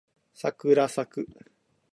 さくらさく